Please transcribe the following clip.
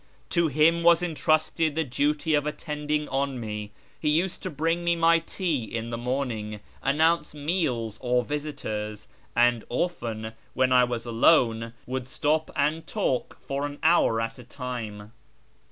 To him was entrusted the duty of attending on me ; he used to bring me iniy tea in the morning, announce meals or visitors, and often, 'when I was alone, would stop and talk for aii hour at a time.